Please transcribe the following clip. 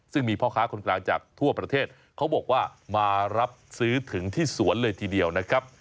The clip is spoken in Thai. ซึ่งมีพ่อค้าคนกลางจากทั่วประเทศเขาบอกว่ามารับซื้อถึงที่สวนเลยทีเดียวนะครับ